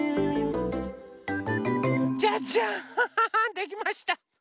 じゃじゃんできました！